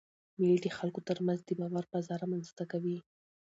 مېلې د خلکو ترمنځ د باور فضا رامنځ ته کوي.